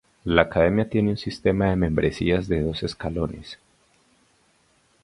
La Academia tiene un sistema de membresía de dos escalones.